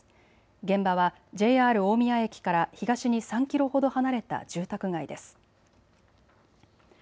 現場はＪＲ大宮駅から東に３キロほど離れた住宅街です。